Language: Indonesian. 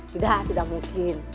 tidak tidak mungkin